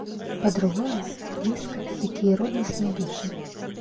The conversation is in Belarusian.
Па-другое, блізка, і такія роднасныя душы!